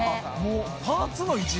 パーツの位置